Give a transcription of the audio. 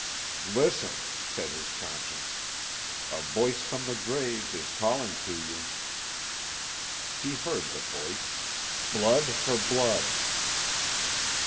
"Listen," said his conscience, "a voice from the grave is calling to you." He heard the voice: "Blood for Blood."